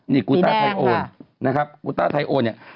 นี่กูต้าไทยโอนนะครับกูต้าไทยโอนเนี่ย